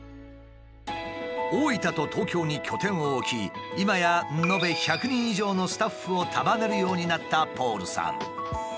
大分と東京に拠点を置き今や延べ１００人以上のスタッフを束ねるようになったポールさん。